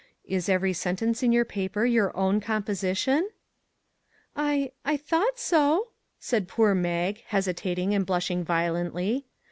Is every sentence in your paper your own com position ?"" I I thought so," said poor Mag, hesi tating and blushing violently.